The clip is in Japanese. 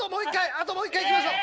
あともう一回いきましょう！